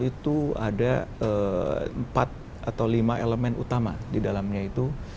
itu ada empat atau lima elemen utama di dalamnya itu